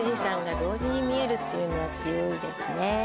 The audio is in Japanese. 同時に見えるっていうのは強いですね